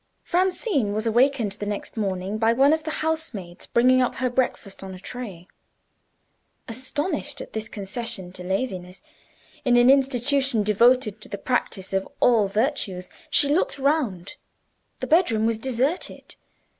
Francine was awakened the next morning by one of the housemaids, bringing up her breakfast on a tray. Astonished at this concession to laziness, in an institution devoted to the practice of all virtues, she looked round. The bedroom was deserted.